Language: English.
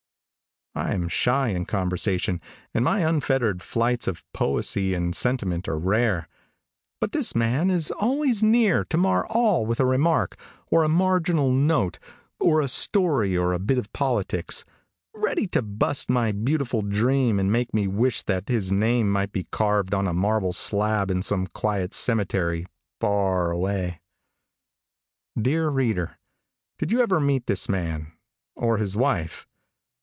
I am shy in conversation, and my unfettered flights of poesy and sentiment are rare, but this man is always near to mar all with a remark, or a marginal note, or a story or a bit of politics, ready to bust my beautiful dream and make me wish that his name might be carved on a marble slab in some quiet cemetery, far away. Dear reader, did you ever meet this man or his wife?